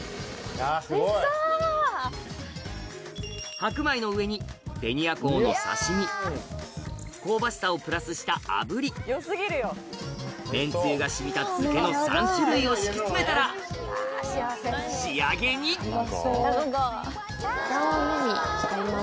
白米の上にベニアコウの刺身香ばしさをプラスした炙りめんつゆが染みた漬けの３種類を敷き詰めたら仕上げにハハハ。